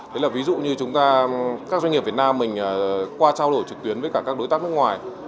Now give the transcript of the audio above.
đấy là ví dụ như chúng ta các doanh nghiệp việt nam mình qua trao đổi trực tuyến với cả các đối tác nước ngoài